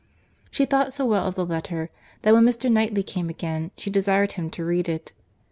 She thought so well of the letter, that when Mr. Knightley came again, she desired him to read it.